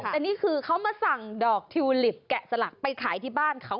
แต่นี่คือเขามาสั่งดอกทิวลิปแกะสลักไปขายที่บ้านเขา